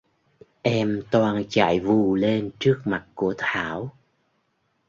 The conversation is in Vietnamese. Em toan chạy vù lên trước mặt của Thảo